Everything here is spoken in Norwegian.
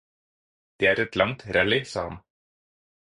Det er et langt rally, sa han.